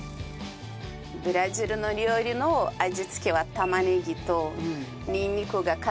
ブラジルの料理の味付けは玉ねぎとにんにくが必ず使うんですよ。